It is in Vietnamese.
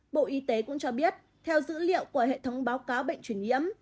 bộ y tế cũng cho biết theo dữ liệu của hệ thống báo cáo bệnh truyền nhiễm